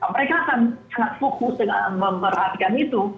mereka akan sangat fokus dengan memerhatikan itu